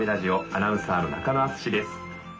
アナウンサーの中野淳です。